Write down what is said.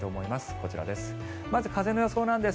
こちらです。